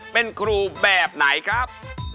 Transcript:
เป็นครูแบบไหนครับ